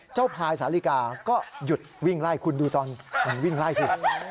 พลายสาลิกาก็หยุดวิ่งไล่คุณดูตอนมันวิ่งไล่สิ